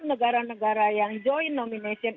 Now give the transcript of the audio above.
negara negara yang joint nomination